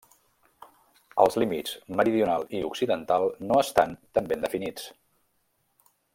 Els límits meridional i occidental no estan tan ben definits.